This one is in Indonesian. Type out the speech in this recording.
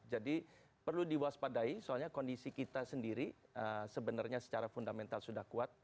jadi perlu diwaspadai soalnya kondisi kita sendiri sebenarnya secara fundamental sudah kuat